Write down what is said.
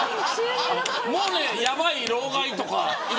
もうやばい、老害とか。